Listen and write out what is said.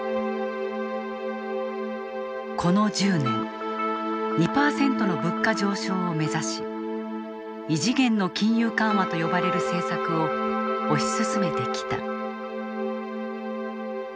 この１０年２％の物価上昇を目指し異次元の金融緩和と呼ばれる政策を推し進めてきた。